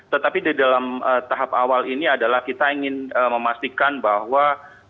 tetapi di dalam tahap awal ini adalah kita ingin memastikan bahwa